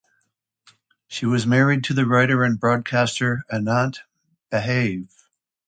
She was married to the writer and broadcaster Anant Bhave.